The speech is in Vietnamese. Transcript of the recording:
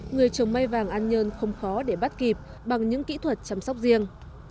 người chồng mai vàng an nhân không khó để bắt kịp bằng những kỹ thuật chăm sóc riêng